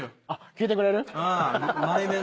聞いてくれる？